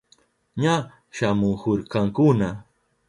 Ña shamuhurkakuna.